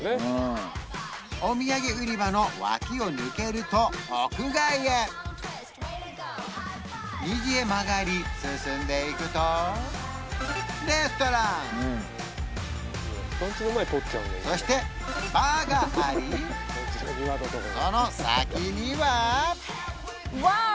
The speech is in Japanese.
お土産売り場の脇を抜けると屋外へ右へ曲がり進んでいくとレストランそしてバーがありその先にはワオ！